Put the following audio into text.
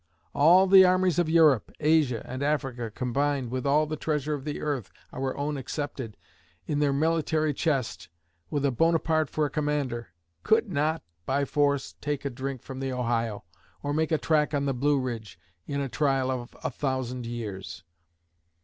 All the armies of Europe, Asia, and Africa combined, with all the treasure of the earth (our own excepted) in their military chest, with a Bonaparte for a commander, could not, by force, take a drink from the Ohio, or make a track on the Blue Ridge, in a trial of a thousand years!